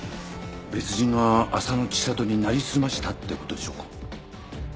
別人が浅野知里になりすましたって事でしょうか？